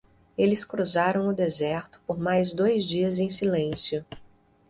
Eles cruzaram o deserto por mais dois dias em silêncio.